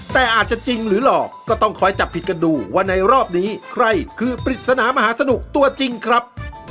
แต่อาจจะจริงหรือหลอกก็ต้องคอยจับผิดกันดูว่าในรอบนี้ใครคือปริศนามหาสนุกตัวจริงครับ